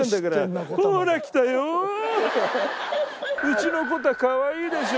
うちのコタかわいいでしょ？